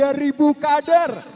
menghadirkan tiga puluh tiga kader